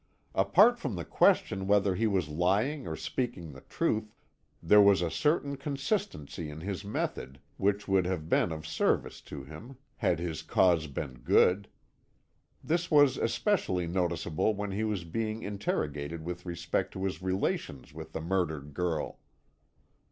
Apart from the question whether he was lying or speaking the truth, there was a certain consistency in his method which would have been of service to him had his cause been good. This was especially noticeable when he was being interrogated with respect to his relations with the murdered girl.